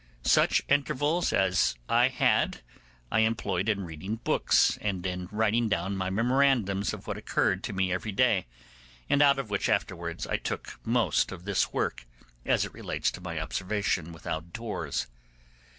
Such intervals as I had I employed in reading books and in writing down my memorandums of what occurred to me every day, and out of which afterwards I took most of this work, as it relates to my observations without doors.